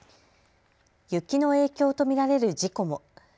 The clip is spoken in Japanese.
雪の影響と見られる事故も。